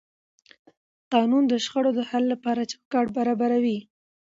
قانون د شخړو د حل لپاره چوکاټ برابروي.